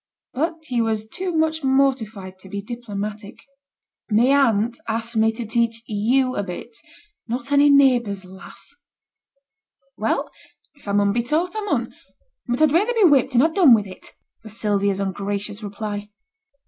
But he was too much mortified to be diplomatic. 'My aunt asked me to teach you a bit, not any neighbour's lass.' 'Well! if I mun be taught, I mun; but I'd rayther be whipped and ha' done with it,' was Sylvia's ungracious reply.